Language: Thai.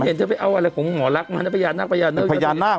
ฉันเห็นเธอไปเอาอะไรของหมอรักมาณพญานาคพญานเนิด